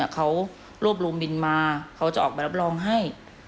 เขารวบรวมบินมาเขาจะออกไปรับรองให้